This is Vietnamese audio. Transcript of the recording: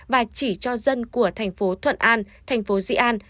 và chỉ cho dân của tp thuận an tp di an